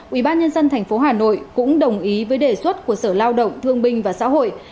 ubnd tp hà nội cũng đồng ý với đề xuất của sở lao động thương binh và xã hội